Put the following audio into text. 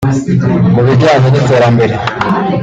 mu bijyanye n’iterambere